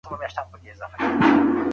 هېواد یوازي په شعارونو نه جوړېږي.